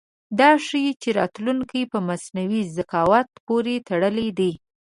دا ښيي چې راتلونکی په مصنوعي ذکاوت پورې تړلی دی.